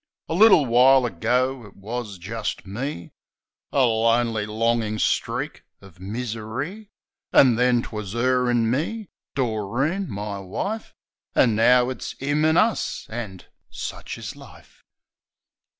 A little while ago it was jist "me" — A lonely, longin' streak o' misery. An' then 'twas " 'er an' me" — Doreen, my wife ! An' now it's " 'im an' us" an' — sich is life.